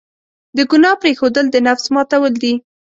د ګناه پرېښودل، د نفس ماتول دي.